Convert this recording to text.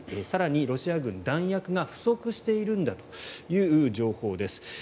更に、ロシア軍弾薬が不足しているんだという情報です。